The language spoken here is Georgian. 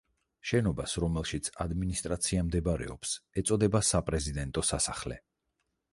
შენობას, რომელშიც ადმინისტრაცია მდებარეობს, ეწოდება საპრეზიდენტო სასახლე.